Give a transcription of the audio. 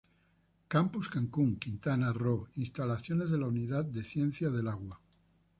Campus Cancún, Quintana Roo: Instalaciones de la Unidad de Ciencias del Agua.